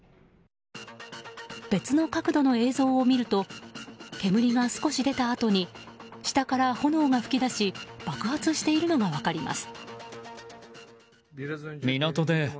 別の角度の映像を見ると煙が少し出たあとに下から炎が噴き出し爆発しているのが分かります。